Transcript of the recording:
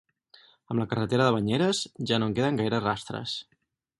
Amb la carretera de Banyeres, ja no en queden gaires rastres.